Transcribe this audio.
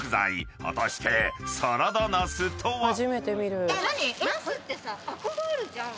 ［果たしてサラダなすとは？］